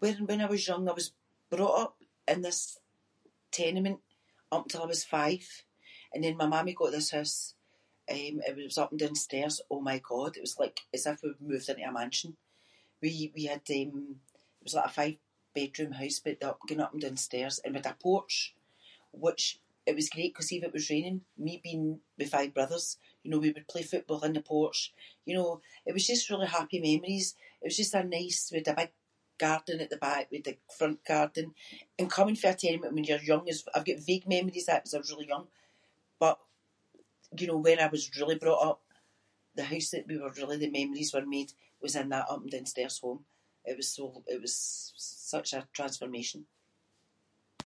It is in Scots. Whe- when I was young I was brought up in this tenement up until I was five and then my mammy got this hoose um and it was up and doonstairs. Oh my god, it was like as if we’ve moved into a mansion. We- we had um it was like a five bedroom house but the up- going up and doonstairs and we had a porch which it was great ‘cause see if it was raining, me being with five brothers, you know, we would play football in the porch, you know, it was just really happy memories. It was just a nice- we had a big garden at the back, we had a front garden. And coming fae a tenement when you’re young, is- I’ve got vague memories of that ‘cause I was really young but, you know, where I was really brought up- the house that we were really the memories were made was in that up and doonstairs home. It was so- it was s-such a transformation.